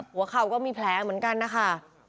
หัวเข่าก็มีแผลเหมือนกันนะคะ